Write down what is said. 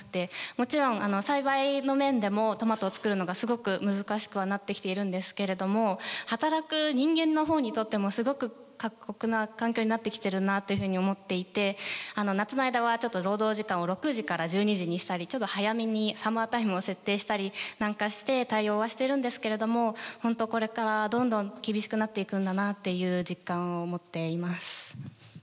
もちろん栽培の面でもトマトを作るのがすごく難しくはなってきているんですけれども働く人間の方にとってもすごく過酷な環境になってきてるなというふうに思っていて夏の間はちょっと労働時間を６時から１２時にしたりちょっと早めにサマータイムを設定したりなんかして対応はしてるんですけれども本当これからどんどん厳しくなっていくんだなっていう実感を持っています。